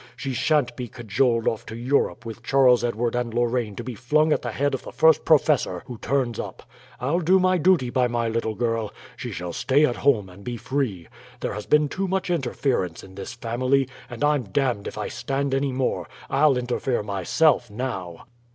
She sha'n't be cajoled off to Europe with Charles Edward and Lorraine to be flung at the head of the first professor who turns up. I'll do my duty by my little girl. She shall stay at home and be free. There has been too much interference in this family, and I'm damned if I stand any more; I'll interfere myself now."